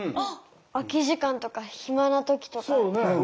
空き時間とか暇な時とかすぐできる！